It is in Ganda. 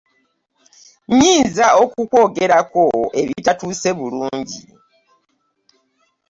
Nnyinza okukwogerako ebitatuuse bulungi.